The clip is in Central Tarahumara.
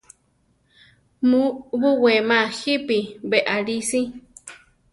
Mu buwéma jípi beʼalí si.